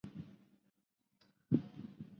条件接收系统。